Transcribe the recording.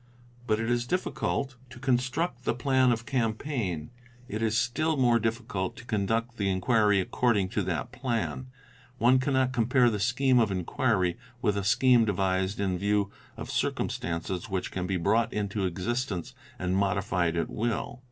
? But if it is difficult to construct the plan of campaign, it is still more difficult to conduct the inquiry according to that plan. One cannot compare the scheme of inquiry with a scheme devised in view of circum 'stances which can be brought into existence and modified at will.